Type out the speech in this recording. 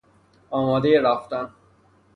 آمادهی رفتن